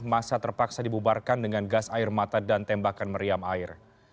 masa terpaksa dibubarkan dengan gas air mata dan tembakan meriam air